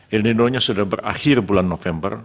el nino nya sudah berakhir bulan november